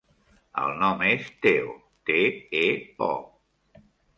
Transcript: El nom és Teo: te, e, o.